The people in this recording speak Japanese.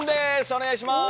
お願いします。